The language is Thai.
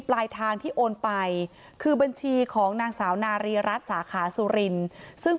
ปลายทางที่โอนไปคือบัญชีของนางสาวนารีรัฐสาขาสุรินซึ่ง